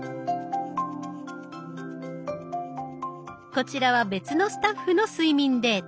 こちらは別のスタッフの睡眠データ。